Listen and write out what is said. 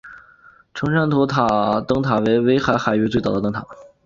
成山头灯塔为威海海域最早的灯塔。